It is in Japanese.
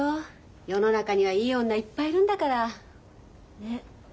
世の中にはいい女いっぱいいるんだから。ね。